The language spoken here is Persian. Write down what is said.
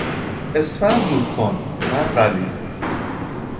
اسفند دود کن منقلی